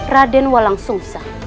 raden walang sungsa